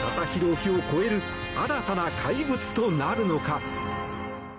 希を超える新たな怪物となるのか。